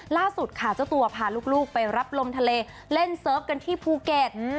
ล่าสุดค่ะเจ้าตัวพาลูกไปรับลมทะเลเล่นเซิร์ฟกันที่ภูเก็ต